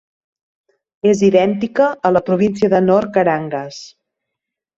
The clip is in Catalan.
És idèntica a la província de Nor Carangas.